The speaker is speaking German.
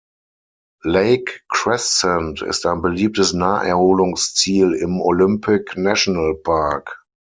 Lake Crescent ist ein beliebtes Naherholungsziel im Olympic National Park.